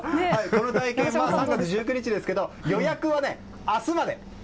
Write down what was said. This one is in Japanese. この体験は３月１９日からですけど予約は明日まで。